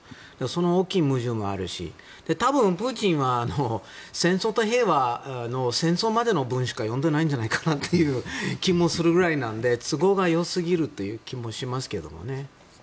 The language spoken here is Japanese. その大きい矛盾もあるし多分、プーチンは「戦争と平和」の戦争までの部分しか読んでいない気もするぐらいなので都合が良すぎるという気もしますけどね。